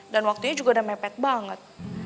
dan waktunya juga udah mepet banget